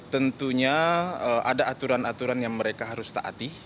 tentunya ada aturan aturan yang mereka harus taati